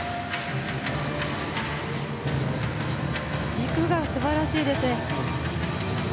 軸が素晴らしいですね。